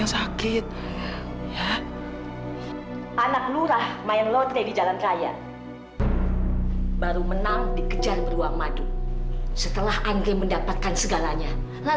sita aku gak akan kemana mana sita